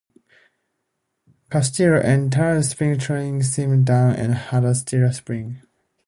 Castillo entered spring training slimmed down and had a stellar spring.